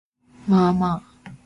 Momma.